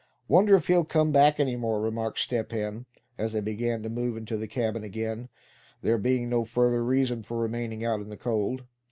"Wonder if he'll come back any more?" remarked Step Hen, as they began to move into the cabin again, there being no further reason for remaining out in the cold.